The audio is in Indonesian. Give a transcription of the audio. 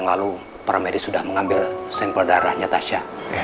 sampai jumpa di video selanjutnya